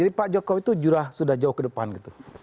jadi pak jokowi itu jurah sudah jauh ke depan gitu